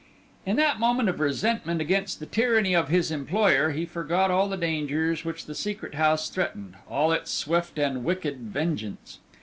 In that moment of resentment against the tyranny of his employer, he forgot all the dangers which the Secret House threatened; all its swift and wicked vengeance.